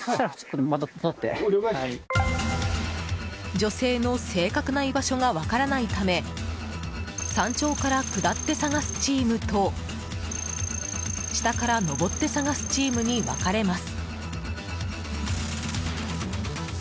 女性の正確な居場所が分からないため山頂から下って捜すチームと下から登って捜すチームに分かれます。